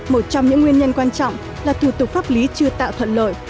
một trong những nguyên nhân quan trọng là thủ tục pháp lý chưa tạo thuận lợi